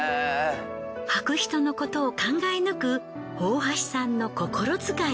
履く人のことを考え抜く大橋さんの心遣い。